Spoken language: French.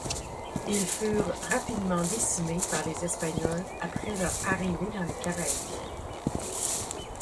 Ils furent rapidement décimés par les Espagnols après leur arrivée dans les Caraïbes.